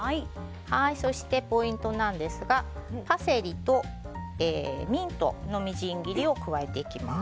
そして、ポイントなんですがパセリとミントのみじん切りを加えていきます。